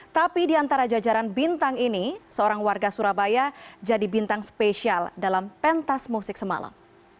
tapi di antara jajaran bintang ini seorang warga surabaya jadi bintang spesial dalam pentas musik semalam